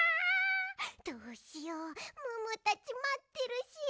どうしようムームーたちまってるし。